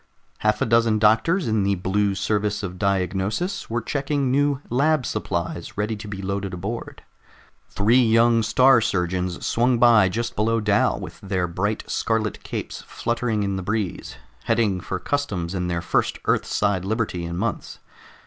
Half a dozen doctors in the Blue Service of Diagnosis were checking new lab supplies ready to be loaded aboard. Three young Star Surgeons swung by just below Dal with their bright scarlet capes fluttering in the breeze, headed for customs and their first Earthside liberty in months.